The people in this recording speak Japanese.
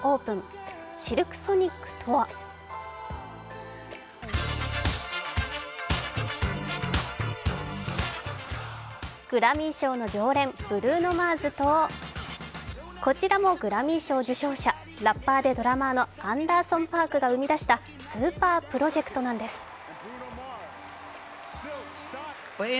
シルク・ソニックとはグラミー賞の常連、ぶるーのまーとこちらもグラミー賞受賞者、ラッパーでドラマーのアンダーソン・パークが生み出したスーパープロジェクトなんです。